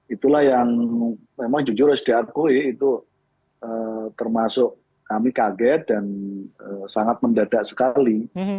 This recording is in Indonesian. itulah yang memang jujur harus diakui itu termasuk kami kaget dan sangat mendadak sekali